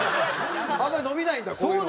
あんまり伸びないんだこういうのは。